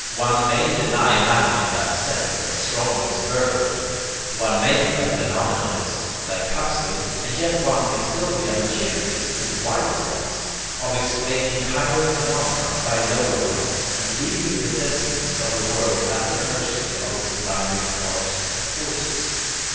One may deny matter in that sense, as strongly as Berkeley did, one may be a phenomenalist like Huxley, and yet one may still be a materialist in the wider sense, of explaining higher phenomena by lower ones, and leaving the destinies of the world at the mercy of its blinder parts and forces.